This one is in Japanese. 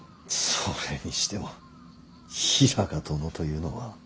それにしても平賀殿というのは。